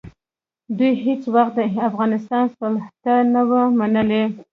دوی هېڅ وخت د افغانستان سلطه نه وه منلې.